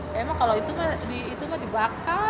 saya mah kalo itu mah dibakar